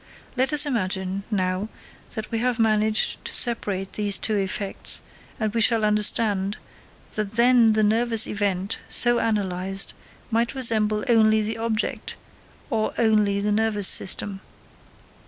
Let us imagine, now, that we have managed to separate these two effects, and we shall understand that then the nervous event so analysed might resemble only the object, or only the nervous system.